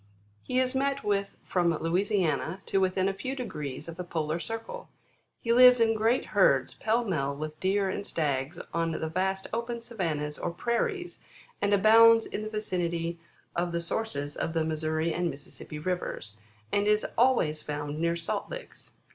He is met with from Louisiana to within a few degrees of the polar circle. He lives in great herds, pell mell with deer and stags on the vast open savannas or prairies, and abounds in the vicinity of the sources of the Missouri and Missis sippi rivers, and is always found near salt licks.